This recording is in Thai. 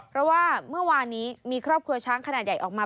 เพราะว่าเมื่อวานนี้มีครอบครัวช้างขนาดใหญ่ออกมา